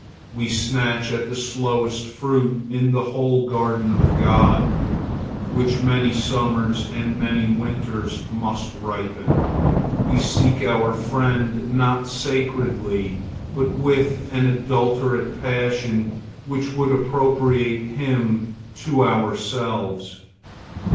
We snatch at the slowest fruit in the whole garden of God, which many summers and many winters must ripen. We seek our friend not sacredly, but with an adulterate passion which would appropriate him to ourselves.